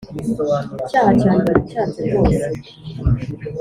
icyaha cyanjye ndacyanze rwose